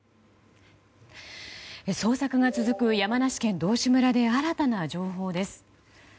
捜索が続く山梨県道志村で新たな情報です。